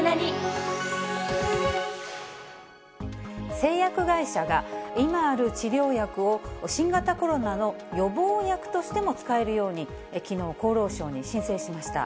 製薬会社が、今ある治療薬を新型コロナの予防薬としても使えるように、きのう、厚労省に申請しました。